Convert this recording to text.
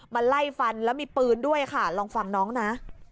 ไล่ฟันแล้วมีปืนด้วยค่ะลองฟังน้องนะ